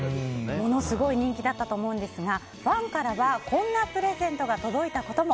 ものすごい人気だったと思うんですが、ファンからはこんなプレゼントが届いたことも。